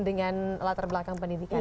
dengan latar belakang pendidikan